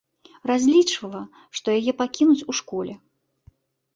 Разлічвала, што яе пакінуць у школе.